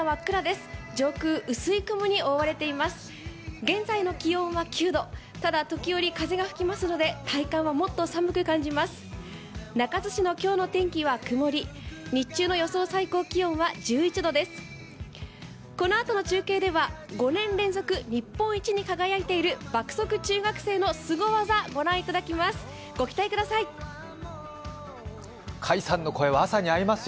このあとの中継では５年連続日本一に輝いている爆速中学生のすご技、御覧いただきます。